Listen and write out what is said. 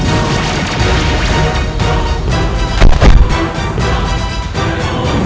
ketika kanda menang kanda menang